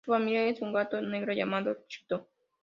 Su familiar es un gato negro llamado Chito.